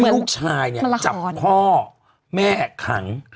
ลูกชายเนี่ยจับพ่อแม่ขัง